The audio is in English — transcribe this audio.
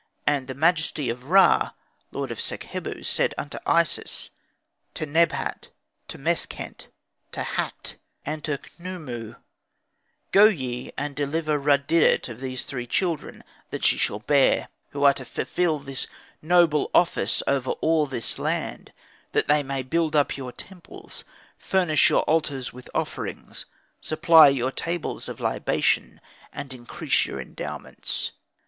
And the majesty of Ra, lord of Sakhebu, said unto Isis, to Nebhat, to Meskhent, to Hakt, and to Khnumu, "Go ye, and deliver Rud didet of these three children that she shall bear, who are to fulfil this noble office over all this land; that they may build up your temples, furnish your altars with offerings, supply your tables of libation, and increase your endowments."